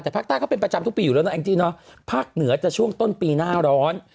แต่ภาคใต้เขาเป็นประจำทุกปีอยู่แล้วนะแองจี้เนอะภาคเหนือจะช่วงต้นปีหน้าร้อน